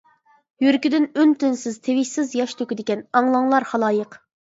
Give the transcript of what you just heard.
يۈرىكىدىن ئۈن-تىنسىز، تىۋىشسىز ياش تۆكىدىكەن. ئاڭلاڭلار خالايىق!